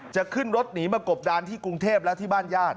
จะขึ้นรถหนีมากบดานที่กรุงเทพแล้วที่บ้านญาติ